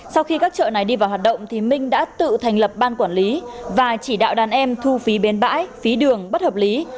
sau khi các chợ này đi vào hoạt động thì minh đã tự thành lập ban quản lý và chỉ đạo đàn em thu phí bên bãi phí đường bất hợp lý